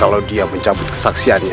kalau dia mencabut kesaksiannya